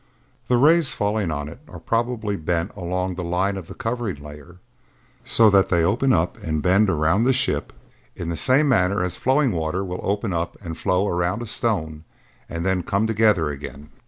The rays falling on it are probably bent along the line of the covering layer so that they open up and bend around the ship in the same manner as flowing water will open up and flow around a stone and then come together again.